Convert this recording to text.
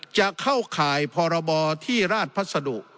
จะเข้าข่ายพรบที่ราชพัสดุ